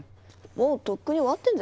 もうとっくに終わってんぜ。